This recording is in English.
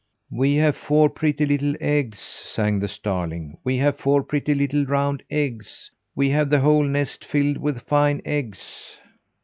"We have four pretty little eggs," sang the starling. "We have four pretty little round eggs. We have the whole nest filled with fine eggs."